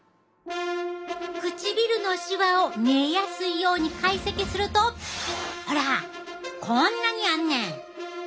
唇のしわを見えやすいように解析するとほらこんなにあんねん！